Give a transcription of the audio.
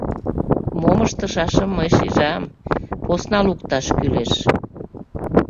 Мом ыштышашым мый шижам: посна лукташ кӱлеш.